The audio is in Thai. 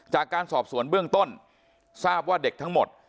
จากการสอบสวนเบื้องต้นทราบว่าเด็กทั้งหมด